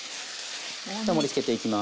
じゃあ盛りつけていきます。